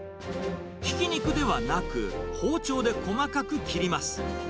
ひき肉ではなく、包丁で細かく切ります。